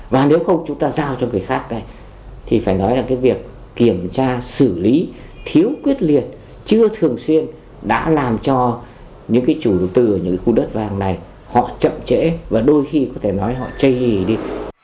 và nếu chúng ta giao cho người khác thì phải nói là cái việc kiểm tra xử lý thiếu quyết liệt chưa thường xuyên đã làm cho những cái chủ đầu tư ở những cái khu đất vàng này họ chậm trễ và đôi khi có thể nói họ chây ý đi